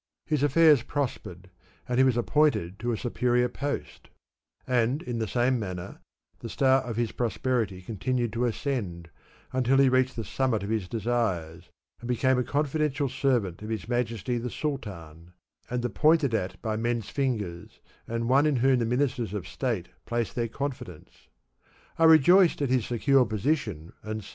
His affairs pros pered, and he was appointed to a superior post ; and in the same manner the star of his prosperity con tinued to ascend until he reached the summit of his desires, and became a confidential servant of his Majesty the Sultan, and the pointed at by merCs fingers ^ and one in whom the ministers of State placed their confidence, I rejoiced at his secure position and said, ■'J.